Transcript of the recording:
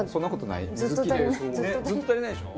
ずっと足りないでしょ？